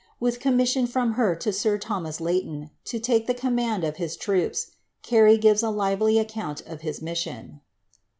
widi commission from her to sir Thomas Layton, to take the command of his troops. Carey gives a lively account of his mission.